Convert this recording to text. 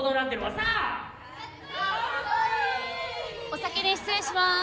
お先に失礼します。